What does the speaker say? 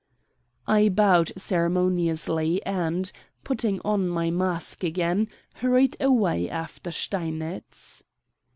I bowed ceremoniously and, putting on my mask again, hurried away after Steinitz.